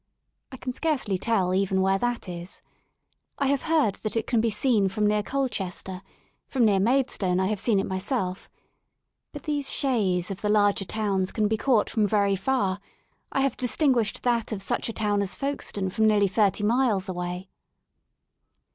I can scarcely tell even where that is. I have heard that it can be seen from near Colchester; from near Maidstone I have seen it my self. But these ^* shays" of the larger towns can be caught from very far: I have distinguished that of such a town as Folkestone from nearly thirty miles away.